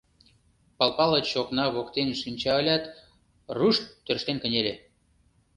Пал Палыч окна воктен шинча ылят, рушт тӧрштен кынеле.